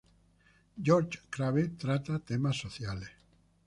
George Crabbe trata temas sociales.